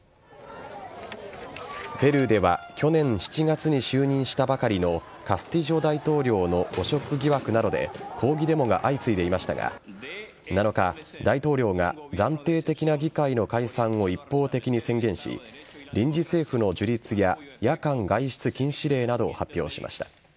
ペルーでは去年７月に就任したばかりのカスティジョ大統領の汚職疑惑などで抗議デモが相次いでいましたが７日、大統領が暫定的な議会の解散を一方的に宣言し臨時政府の樹立や夜間外出禁止令などを発表しました。